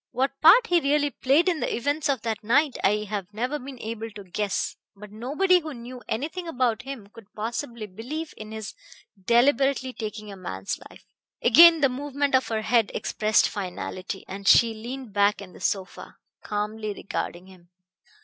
What part he really played in the events of that night I have never been able to guess. But nobody who knew anything about him could possibly believe in his deliberately taking a man's life." Again the movement of her head expressed finality, and she leaned back in the sofa, calmly regarding him.